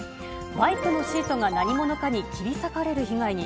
バイクのシートが何者かに切り裂かれる被害に。